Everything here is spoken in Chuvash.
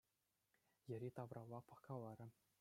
Йӗри-тавралла пӑхкаларӗ.